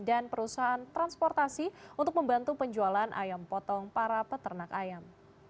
dan perusahaan transportasi untuk membantu penjualan ayam potong para peternak ayam